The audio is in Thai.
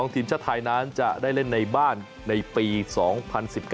ทีมชาติไทยนั้นจะได้เล่นในบ้านในปี๒๐๑๙